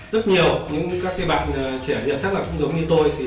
rất nhiều các bạn trẻ nhật cũng giống như tôi